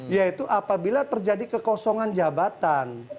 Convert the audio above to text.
yaitu apabila terjadi kekosongan jabatan